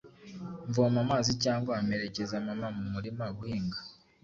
mvoma amazi cyangwa mperekeza mama mu murima guhinga.